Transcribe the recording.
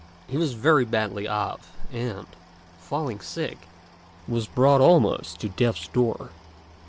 He was very badly off, and, falling sick, was brought almost to death's door.